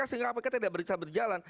sehingga kpk tidak bisa berjalan